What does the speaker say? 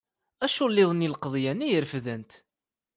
Aculliḍ-nni n lqeḍyan ay refdent.